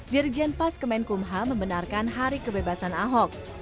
dirjen pas kemenkumha membenarkan hari kebebasan ahok